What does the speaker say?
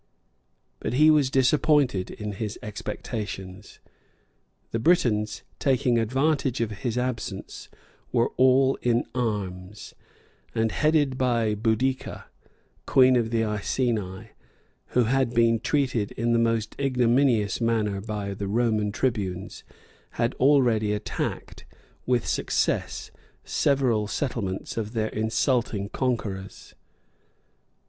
But he was disappointed in his expectations. The Britons, taking advantage of his absence, were all in arms; and headed by Boadicea, queen of the Iceni, who had been treated in the most ignominious manner by the Roman tribunes, had already attacked, with success, several settlements of their insulting conquerors.